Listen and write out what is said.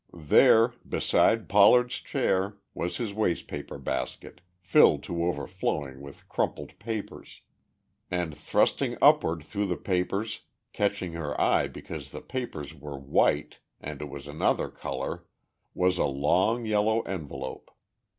There, beside Pollard's chair, was his waste paper basket, filled to overflowing with crumpled papers. And, thrusting upward through the papers, catching her eye because the papers were white and it was another colour, was a long, yellow envelope.